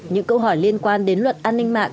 những câu hỏi liên quan đến luật an ninh mạng